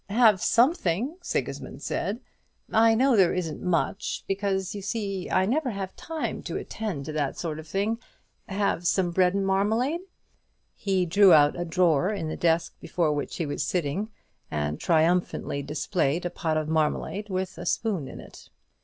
"Have something!" Sigismund said. "I know there isn't much, because, you see, I never have time to attend to that sort of thing. Have some bread and marmalade?" He drew out a drawer in the desk before which he was sitting, and triumphantly displayed a pot of marmalade with a spoon in it.